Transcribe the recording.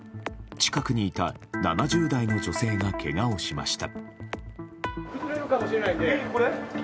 近くにいた７０代の女性がけがをしました。